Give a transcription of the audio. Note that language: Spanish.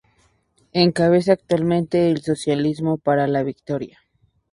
Encabeza actualmente el Socialismo para la Victoria.